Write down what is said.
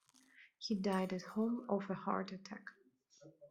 He died at home of a heart attack.